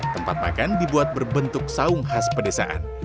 tempat makan dibuat berbentuk saung khas pedesaan